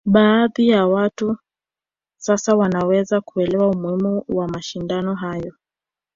Baadhi ya watu sasa wameweza kuelewa umuhimu wa mashindano hayo